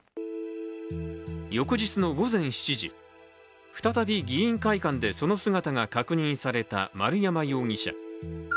翌日の午前７時、再び議員会館でその姿が確認された丸山容疑者。